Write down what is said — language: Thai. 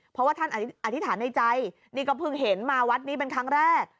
เพราะว่าท่านอธิษฐานในใจนี่ก็เพิ่งเห็นมาวัดนี้เป็นครั้งแรก